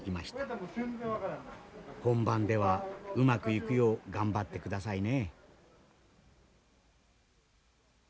本番ではうまくいくよう頑張ってくださいね。